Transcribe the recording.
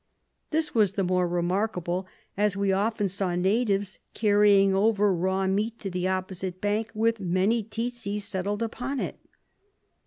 This was the more remarkable, as we often saw natives carrying over raw meat to the opposite bank with many tsetse settled upon it.